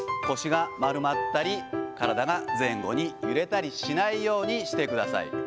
腰が丸まったり、体が前後に揺れたりしないようにしてください。